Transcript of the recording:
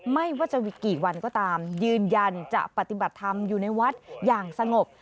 ไม่ว่าจะมีกี่วันก็ตามยืนยันจะปฏิบัติธรรมอยู่ในวัดอย่างสงบ